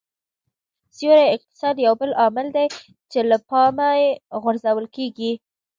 سیوري اقتصاد یو بل عامل دی چې له پامه غورځول کېږي